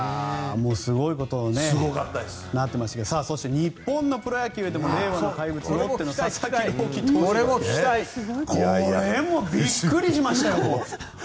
すごいことになってましたがそして、日本のプロ野球でも令和の怪物、佐々木朗希投手がこれもびっくりしましたよ。